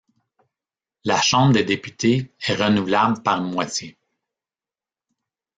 La Chambre des députés est renouvelable par moitié.